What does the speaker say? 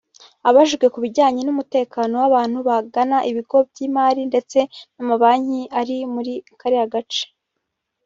Abajijwe ku kijyanye n’umutekano w’abantu bagana ibigo by’imari ndetse n’amabanki ari muri kariya gace